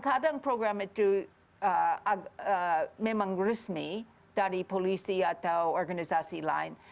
kadang program itu memang resmi dari polisi atau organisasi lain